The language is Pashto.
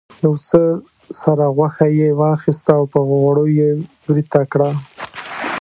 یو څه سره غوښه یې واخیسته او په غوړیو یې ویریته کړه.